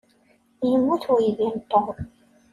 Yemmut uydi n Tom.